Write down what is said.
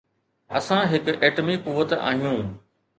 اسان هڪ ايٽمي قوت آهيون.